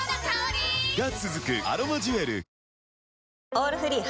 「オールフリー」